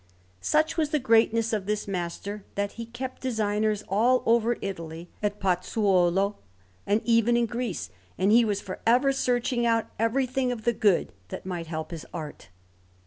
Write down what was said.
Such was the greatness of this master, that he kept designers all over Italy, at Pozzuolo, and even in Greece; and he was for ever searching out everything of the good that might help his art.